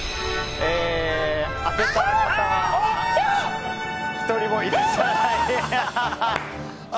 当てた方は１人もいらっしゃらない。